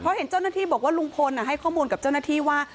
เพราะเห็นเจ้าหน้าที่บอกว่าลุงพลให้ข้อมูลกับเจ้าหน้าที่ว่า